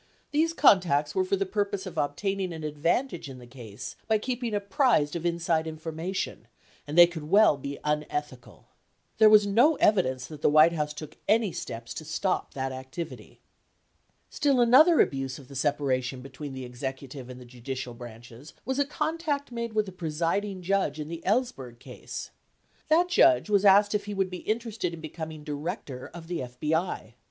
47 These contacts were for the purpose of obtaining an ad vantage in the case by keeping apprised of inside information, and they could well be unethical. 48 There was no evidence that the White House took any steps to stop that activity. Still another abuse of the separation between the executive and judi cial branches, w T as a contact made with the presiding judge in the Ellsberg case. That judge was asked if he would be interested in be coming Director of the FBI.